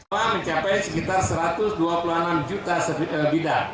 mencapai sekitar satu ratus dua puluh enam juta bidang